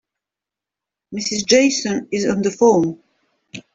Mrs. Jason is on the phone.